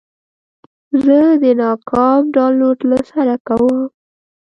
زه د ناکام ډاونلوډ له سره کوم.